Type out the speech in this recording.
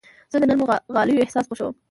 زه د نرمو غالیو احساس خوښوم.